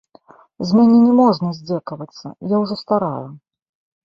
З мяне не можна здзекавацца, я ўжо старая.